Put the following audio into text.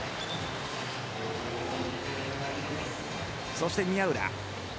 そして宮浦。